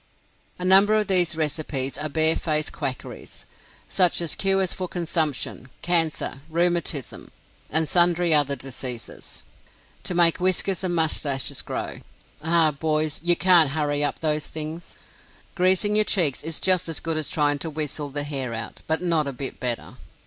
A number of these recipes are barefaced quackeries; such as cures for consumption, cancer, rheumatism, and sundry other diseases; to make whiskers and mustaches grow ah, boys, you can't hurry up those things. Greasing your cheeks is just as good as trying to whistle the hair out, but not a bit better.